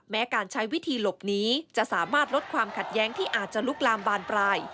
แม้การใช้วิธีหลบหนีจะสามารถลดความขัดแย้งที่อาจจะลุกลามบานปลาย